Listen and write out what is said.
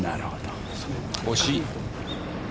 惜しい。